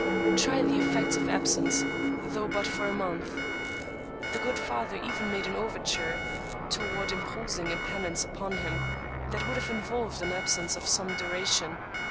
Try the effects of absence, though but for a month." The good father even made an overture toward imposing a penance upon him, that would have involved an absence of some duration.